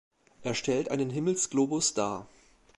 Er stellt einen Himmelsglobus dar.